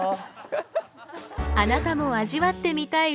あなたも味わってみたい